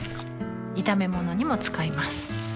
炒め物にも使います